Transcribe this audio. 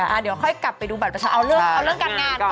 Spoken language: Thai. อ่ะเดี๋ยวค่อยกลับไปดูบรรพชาเอาเรื่องการงานก่อน